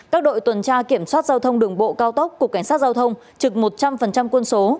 các đội tuần tra kiểm soát giao thông đường bộ cao tốc cục cảnh sát giao thông trực một trăm linh quân số